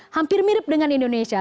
hampir mirip dengan indonesia